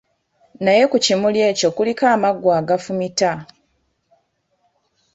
Naye ku kimuli ekyo kuliko amaggwa agafumita.